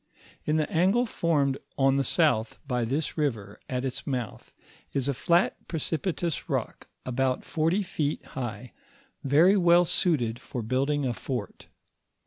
In the angle formed on the south by this river, at its mouth, is a flat precipitous rock, about forty feet high, very well suited for building a fort.